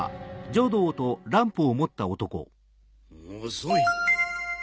遅い！